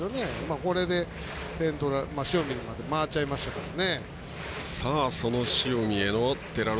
これで塩見まで回っちゃいましたからね。